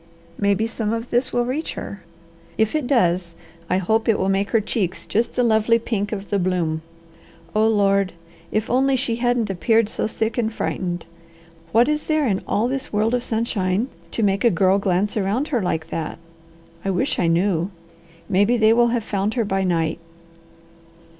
Maybe some of this will reach her. If it does, I hope it will make her cheeks just the lovely pink of the bloom. Oh Lord! If only she hadn't appeared so sick and frightened! What is there in all this world of sunshine to make a girl glance around her like that? I wish I knew! Maybe they will have found her by night."